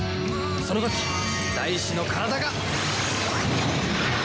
その時大志の体が！